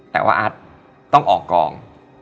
แต่ว่าอัดต้องออกกอง